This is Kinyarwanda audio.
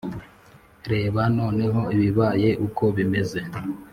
reba noneho ibibaye uko bimeze.